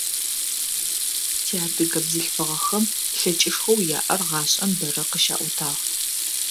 Тиадыгэ бзылъфыгъэхэм лъэкӏышхоу яӏэр гъашӏэм бэрэ къыщаӏотагъ.